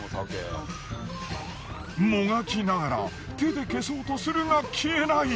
もがきながら手で消そうとするが消えない！